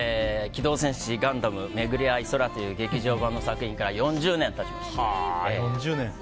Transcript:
「機動戦士ガンダムめぐりあい宇宙」という劇場版の作品から４０年経ちました。